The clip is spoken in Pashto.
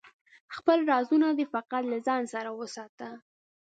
خپل رازونه دی فقط له ځانه سره وساته